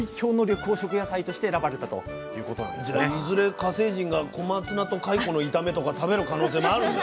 火星人が小松菜とカイコの炒めとか食べる可能性もあるんだ。